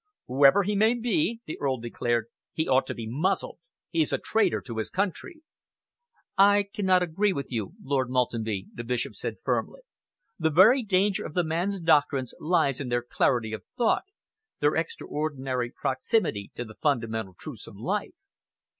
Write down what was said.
"Whoever he may be," the Earl declared, "he ought to be muzzled. He is a traitor to his country." "I cannot agree with you, Lord Maltenby," the Bishop said firmly. "The very danger of the man's doctrines lies in their clarity of thought, their extraordinary proximity to the fundamental truths of life."